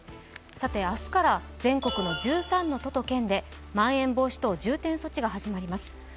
明日から全国の１３の都と県でまん延防止等重点措置が始まります。